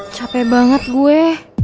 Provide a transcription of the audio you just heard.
capek banget gue